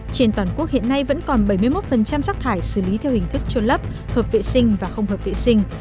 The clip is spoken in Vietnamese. trên toàn quốc hiện nay vẫn còn bảy mươi một rác thải xử lý theo hình thức trôn lấp hợp vệ sinh và không hợp vệ sinh